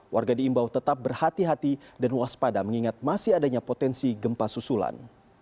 warga diimbau tetap berhati hati dan waspada mengingat masih adanya potensi gempa susulan